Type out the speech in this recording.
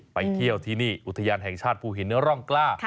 ไปเที่ยวที่นี่อุทยานแห่งชาติภูหินร่องกล้า